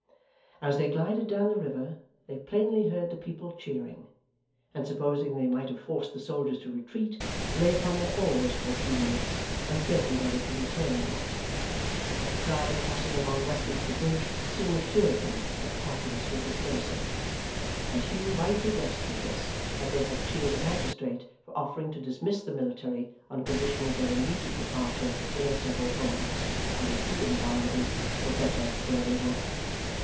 As they glided down the river, they plainly heard the people cheering; and supposing they might have forced the soldiers to retreat, lay upon their oars for a few minutes, uncertain whether to return or not. But the crowd passing along Westminster Bridge, soon assured them that the populace were dispersing; and Hugh rightly guessed from this, that they had cheered the magistrate for offering to dismiss the military on condition of their immediate departure to their several homes, and that he and Barnaby were better where they were.